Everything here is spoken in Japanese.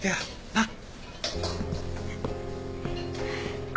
なっ？